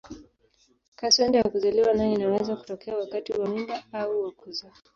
Kaswende ya kuzaliwa nayo inaweza kutokea wakati wa mimba au wa kuzaa.